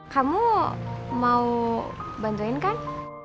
kamu mau bantuin kan